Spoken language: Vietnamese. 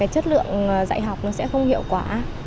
chất lượng dạy học sẽ không hiệu quả